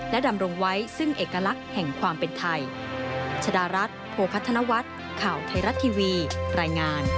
ดำรงไว้ซึ่งเอกลักษณ์แห่งความเป็นไทย